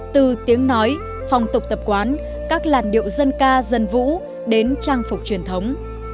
từ tiếng nói phong tục tập quán các làn điệu dân ca dân vũ đến trang phục truyền thống